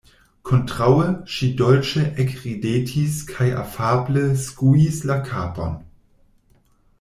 Kontraŭe, ŝi dolĉe ekridetis kaj afable skuis la kapon.